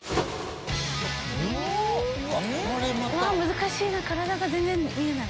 難しいなぁ体が全然見えない。